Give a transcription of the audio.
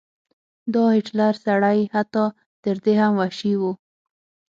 دا هټلر سړی حتی تر دې هم وحشي و.